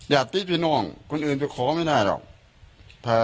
อย่าตี๊ดพี่น้องคนอื่นไปขอไม่ได้หรอก